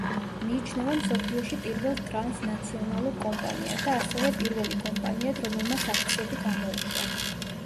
მიიჩნევა მსოფლიოში პირველ ტრანსნაციონალურ კომპანიად და ასევე პირველი კომპანიად რომელმაც აქციები გამოუშვა.